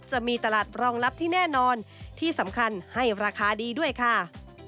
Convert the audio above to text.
จะมีตลาดรองรับที่แน่นอนที่สำคัญให้ราคาดีด้วยค่ะ